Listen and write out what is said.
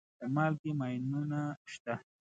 د مالګې ماینونه شته.